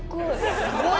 すごい。